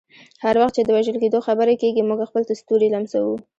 هر وخت چې د وژل کیدو خبره کیږي، موږ خپل ستوري لمسوو.